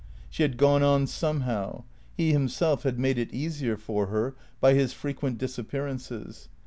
She had gone on somehow. He himself had made it easier for her by his frequent disappearances.